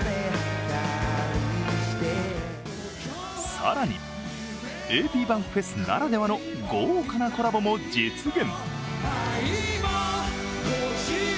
更に、ａｐｂａｎｋｆｅｓならではの豪華なコラボも実現。